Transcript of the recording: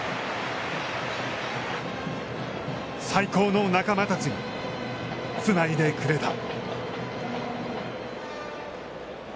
最高の仲間たちがつないでくれた。